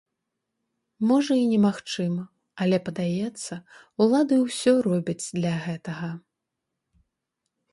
Можа, і немагчыма, але, падаецца, улады ўсё робяць для гэтага.